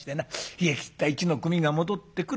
冷えきった一の組が戻ってくる。